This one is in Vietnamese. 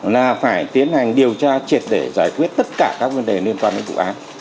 là phải tiến hành điều tra triệt để giải quyết tất cả các vấn đề liên quan đến vụ án